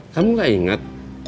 kamu gak inget